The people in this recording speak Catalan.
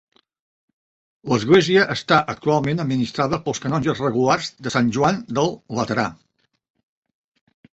L'església està actualment administrada pels canonges regulars de Sant Joan del Laterà.